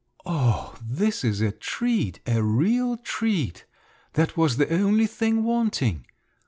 "Oh, this is a treat, a real treat! That was the only thing wanting!"